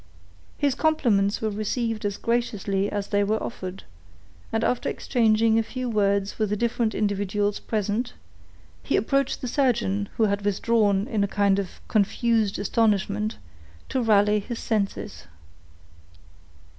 His compliments were received as graciously as they were offered, and after exchanging a few words with the different individuals present, he approached the surgeon, who had withdrawn, in a kind of confused astonishment, to rally his senses.